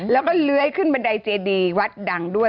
แล้วก็เลื้อยขึ้นบันไดเจดีวัดดังด้วย